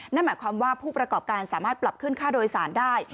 นั่นหมายความว่าผู้ประกอบการสามารถปรับขึ้นค่าโดยสารได้